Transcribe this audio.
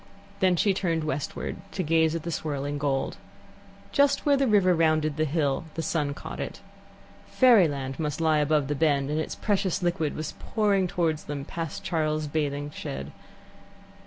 Then she turned westward, to gaze at the swirling gold. Just where the river rounded the hill the sun caught it. Fairyland must lie above the bend, and its precious liquid was pouring towards them past Charles's bathing shed.